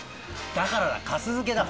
だからだ